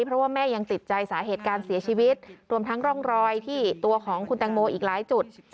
เพราะว่าแม่ยังติดใจสาเหตุการเสียชีวิตรวมทั้งร่องรอยที่ตัวของคุณแตงโมอีกหลายจุด